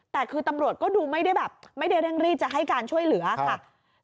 แต่คือตำรวจก็ดูไม่ได้แบบไม่ได้เร่งรีดจะให้การช่วยเหลือค่ะ